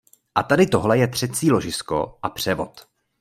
A tady tohle je třecí ložisko a převod.